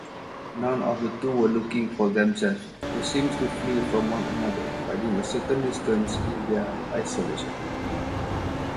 None of the two were looking for themselves. They seem to flee from one another, finding a certain distance in their isolation.